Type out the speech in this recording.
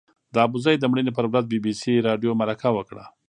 د ابوزید د مړینې پر ورځ بي بي سي راډیو مرکه وکړه.